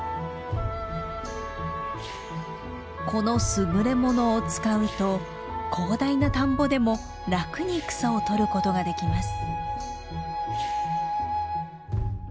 この優れものを使うと広大な田んぼでも楽に草を取ることができます。